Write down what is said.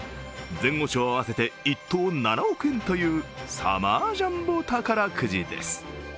前後賞合わせて１等７億円というサマージャンボ宝くじです。